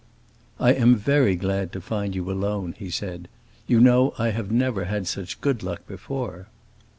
"I am very glad to find you alone," he said. "You know I have never had such good luck before."